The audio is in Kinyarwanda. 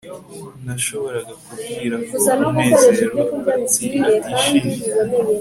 nashoboraga kubwira ko munezero atishimye